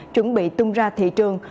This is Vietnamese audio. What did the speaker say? chuẩn bị tung ra thị trường